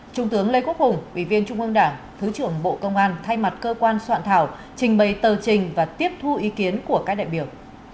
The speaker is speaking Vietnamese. trung tướng lê quốc hùng ủy viên trung ương đảng thứ trưởng bộ công an thay mặt cơ quan soạn thảo trình bày tờ trình và tiếp thu ý kiến của các đại biểu